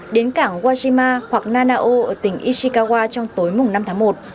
đến cảng wajima hoặc nanao ở tỉnh ishikawa trong tối mùng năm tháng một